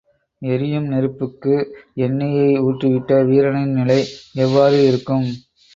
எரியும் நெருப்புக்கு எண்ணெயை ஊற்றிவிட்ட வீரனின் நிலை எவ்வாறு இருக்கும்?